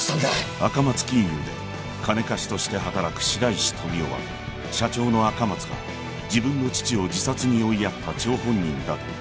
［赤松金融で金貸しとして働く白石富生は社長の赤松が自分の父を自殺に追いやった張本人だと知ってしまう］